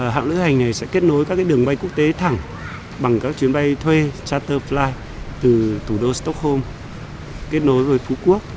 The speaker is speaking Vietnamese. hãng lữ hành này sẽ kết nối các đường bay quốc tế thẳng bằng các chuyến bay thuê tra fly từ thủ đô stockholm kết nối với phú quốc